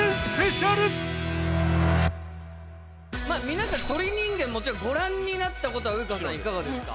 皆さん『鳥人間』もちろんご覧になったことはウイカさんいかがですか？